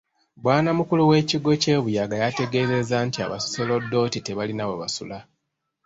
Bwanamukulu w’ekigo ky’e Buyaga yategeezezza nti abasooserodooti tebalina we basula.